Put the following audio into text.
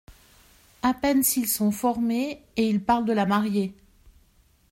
À peine s’ils sont formés… et ils parlent de la marier !